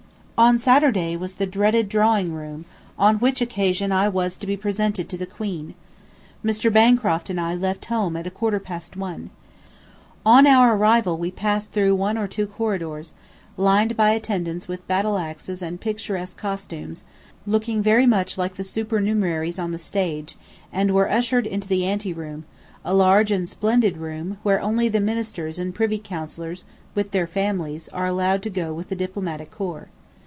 On Saturday was the dreaded Drawing Room, on which occasion I was to be presented to the Queen. ... Mr. Bancroft and I left home at a quarter past one. On our arrival we passed through one or two corridors, lined by attendants with battle axes and picturesque costumes, looking very much like the supernumeraries on the stage, and were ushered into the ante room, a large and splendid room, where only the Ministers and Privy Councillors, with their families, are allowed to go with the Diplomatic Corps.